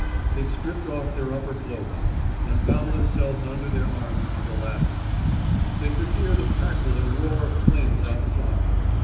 They stripped off their upper clothing, and bound themselves under their arms to the ladder. They could hear the crackle and roar of flames outside.